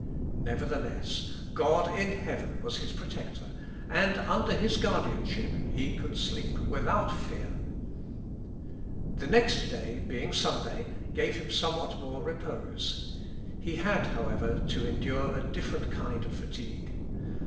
Nevertheless, God in heaven was his protector, and under his guardianship he could sleep without fear. The next day, being Sunday, gave him somewhat more repose. He had, however, to endure a different kind of fatigue.